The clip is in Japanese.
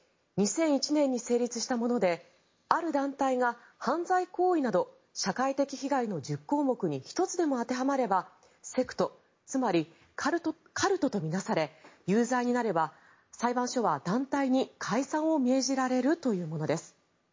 ２００１年に成立したものである団体が犯罪行為など社会的被害の１０項目に１つでも当てはまればセクト、つまりカルトと見なされ有罪になれば裁判所は団体に解散を命じられるというものです。